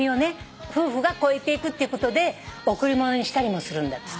夫婦が越えていくっていうことで贈り物にしたりもするんだって。